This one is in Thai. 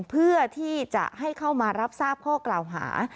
เพื่อที่จะให้เข้ามารับทราบข้อกล่าวหา